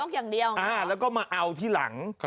อย่างเดียวแล้วก็มาเอาที่หลัง